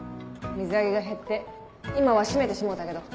水揚げが減って今は閉めてしもうたけど。